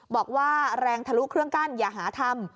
บอกว่าแรงทะลุเครื่องกั้นอย่าหาทำ